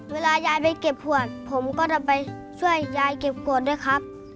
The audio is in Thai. เวลายายไปเก็บขวดผมก็จะไปช่วยยายเก็บขวดด้วยครับ